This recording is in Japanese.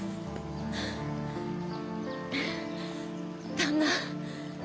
旦那。